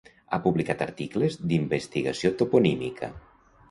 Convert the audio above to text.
Ha publicat articles d'investigació toponímica.